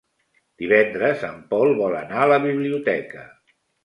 Divendres en Pol vol anar a la biblioteca.